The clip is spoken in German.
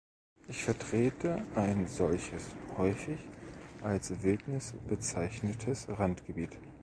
Ich vertrete ein solches, häufig als Wildnis bezeichnetes Randgebiet.